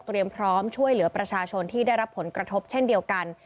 พร้อมช่วยเหลือประชาชนที่ได้รับผลกระทบเช่นเดียวกัน